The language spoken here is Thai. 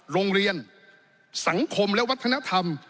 โรงเรียนสังคมและวัฒนธรรม